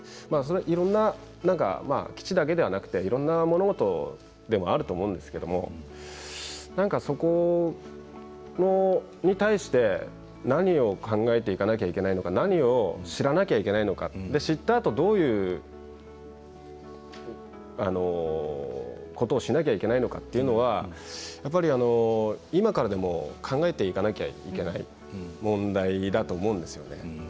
まあいろんな基地だけではなくていろんなものでもあると思うんですけれどなんかそこに対して何を考えていかなきゃいけないのか何を知らなきゃいけないのか知ったあとにどういうことをしなきゃいけないのかというのは今からでも考えていかなきゃいけない問題だと思うんですよね。